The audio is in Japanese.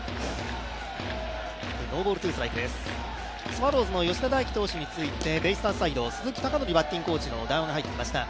スワローズの吉田大喜投手について、ベイスターズサイド、鈴木尚典バッティングコーチの談話が入ってきました。